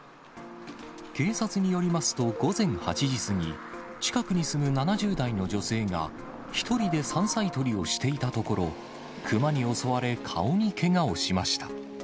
警察によりますと、午前８時過ぎ、近くに住む７０代の女性が、１人で山菜採りをしていたところ、熊に襲われ、顔にけがをしました。